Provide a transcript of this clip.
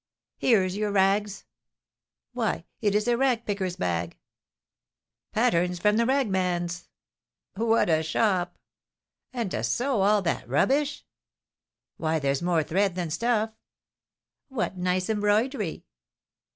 "Here's your rags!" "Why, it is a ragpicker's bag." "Patterns from the ragman's." "What a shop!" "And to sew all that rubbish!" "Why, there's more thread than stuff." "What nice embroidery!"